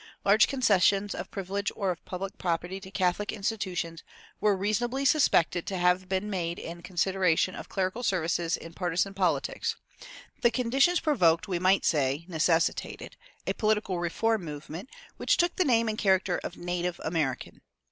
Large concessions of privilege or of public property to Catholic institutions were reasonably suspected to have been made in consideration of clerical services in partisan politics.[313:1] The conditions provoked, we might say necessitated, a political reform movement, which took the name and character of "Native American."